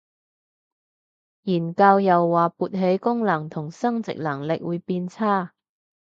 研究又話勃起功能同生殖能力會變差